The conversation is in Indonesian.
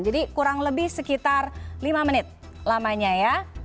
kurang lebih sekitar lima menit lamanya ya